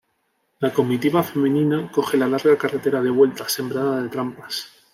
La comitiva femenina coge la larga carretera de vuelta, sembrada de trampas.